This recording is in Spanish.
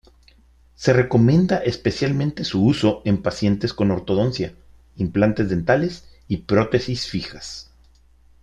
Se recomienda especialmente su uso en pacientes con ortodoncia, implantes dentales y prótesis fijas.